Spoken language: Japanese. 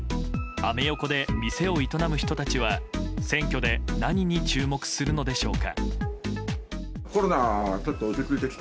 アメ横で店を営む人たちは選挙で何に注目するのでしょうか。